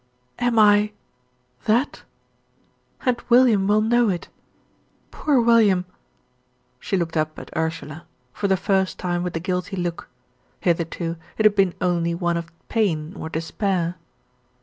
"Am I THAT? And William will know it. Poor William!" She looked up at Ursula for the first time with the guilty look; hitherto, it had been only one of pain or despair.